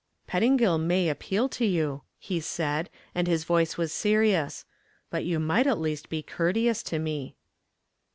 "Pettingill may appeal to you," he said, and his voice was serious, "but you might at least be courteous to me."